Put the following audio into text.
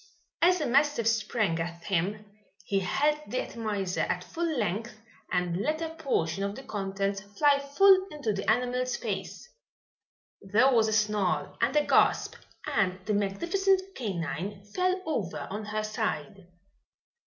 As the mastiff sprang at him, he held the atomizer at full length and let a portion of the contents fly full into the animal's face. There was a snarl and a gasp and the magnificent canine fell over on her side.